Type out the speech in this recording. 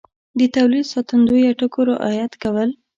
د تولید ساتندویه ټکو رعایت کول